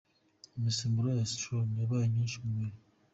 Imisemburo ya Estrogen yabaye myinshi mu mubiri.